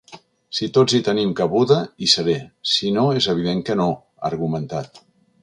Si tots hi tenim cabuda, hi seré, sinó és evident que no, ha argumentat.